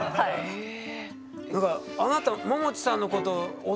へえ！